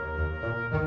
lupa dua kali lalu